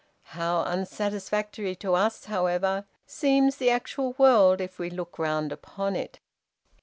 How unsatisfactory to us, however, seems the actual world if we look round upon it.